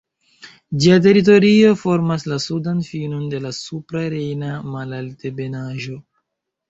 Ĝia teritorio formas la sudan finon de la Supra Rejna Malaltebenaĵo.